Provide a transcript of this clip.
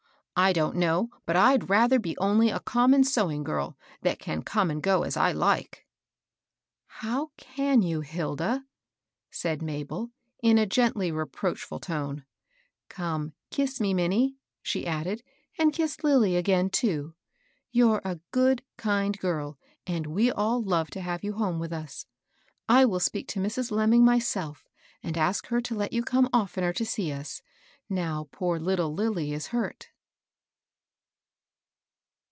I don't know but I'd rather be only a common sewing girl, that can come and go as I like." " How can you, Hilda ?" said Mabel, in a gently reproachftd tone. "Come, kiss me, Min nie," she addedy " and kiss Lilly again, too. You're 84 MABSL BOSS. a good) kind girl, and we all love to have jon borne with us. I will speak to Mrs. Lemming myself, and ask her to let you come oftener to see us, now poor little Lilly is hurt."